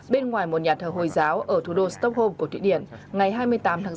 bên ngoài một nhà thờ hồi giáo ở thủ đô stockholm của thụy điển ngày hai mươi tám tháng bốn